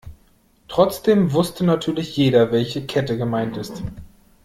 Trotzdem wusste natürlich jeder, welche Kette gemeint ist.